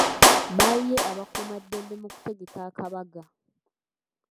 Baayiye abakuuma ddembe mu kutegeka akabaga.